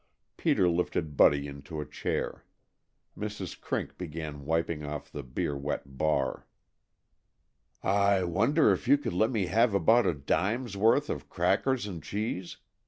Peter lifted Buddy into a chair. Mrs. Crink began wiping off the beer wet bar. "I wonder if you could let me have about a dime's worth of crackers and cheese?"